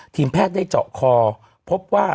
แพทย์ได้เจาะคอพบว่า